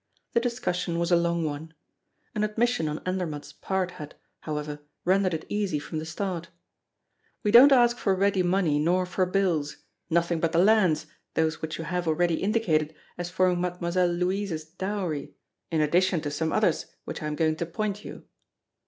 The discussion was a long one. An admission on Andermatt's part had, however, rendered it easy from the start: "We don't ask for ready money nor for bills nothing but the lands, those which you have already indicated as forming Mademoiselle Louise's dowry, in addition to some others which I am going to point you."